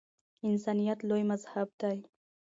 انسانیت لوی مذهب دی